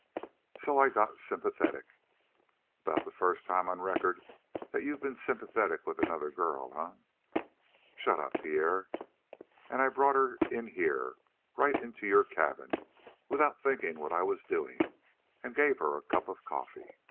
"So I got sympathetic " "About the first time on record that you've been sympathetic with another girl, eh?" "Shut up, Pierre! And I brought her in here right into your cabin, without thinking what I was doing, and gave her a cup of coffee.